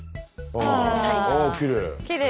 あきれい。